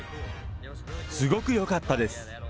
すごくよかったです。